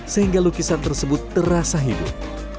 sehingga lukisan tersebut terasa hidup